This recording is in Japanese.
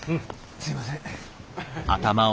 すいません。